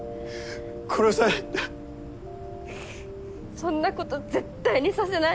そんなこと絶対にさせない。